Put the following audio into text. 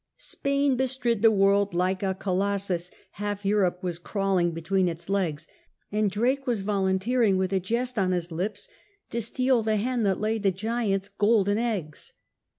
Spain bestrid the world like a Colossus, half Europe was crawling between its legs, and Drake was volunteering with a jest on his lips to steal the hen that laid the giant's golden eggs.